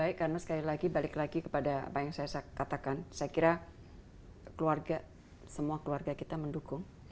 karena sekali lagi balik lagi kepada apa yang saya katakan saya kira keluarga semua keluarga kita mendukung